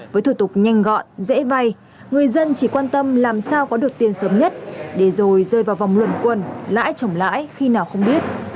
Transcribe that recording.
với thủ tục nhanh gọn dễ vay người dân chỉ quan tâm làm sao có được tiền sớm nhất để rồi rơi vào vòng luận quân lãi trồng lãi khi nào không biết